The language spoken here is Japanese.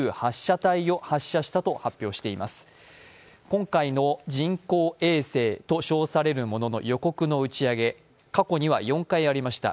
今回の人工衛星と称されるものの予告の打ち上げ、過去には４回ありました